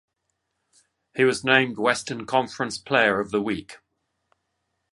He was named Western Conference Player of the Week.